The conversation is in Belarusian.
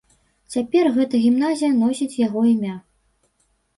Цяпер гэта гімназія носіць яго імя.